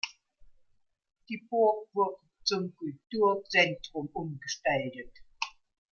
Die Burg wurde zum Kulturzentrum umgestaltet.